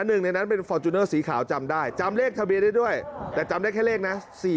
หนึ่งในนั้นเป็นฟอร์จูเนอร์สีขาวจำได้จำเลขทะเบียนได้ด้วยแต่จำได้แค่เลขนะ